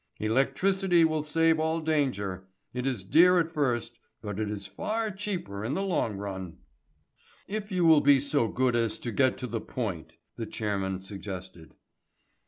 Electricity will save all danger. It is dear at first, but it is far cheaper in the long run." "If you will be so good as to get to the point," the chairman suggested.